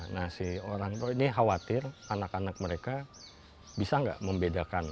nah si orang tua ini khawatir anak anak mereka bisa nggak membedakan